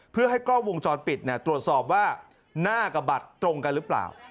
เพื่อให้กล้องวงจรปิดตรวจสอบว่าหน้ากับบัตรตรงกันหรือเปล่า